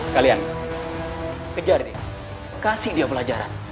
kalian kejar nih kasih dia pelajaran